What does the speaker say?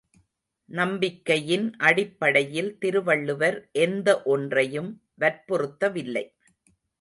நம்பிக்கையின் அடிப்படையில் திருவள்ளுவர் எந்த ஒன்றையும் வற்புறுத்தவில்லை.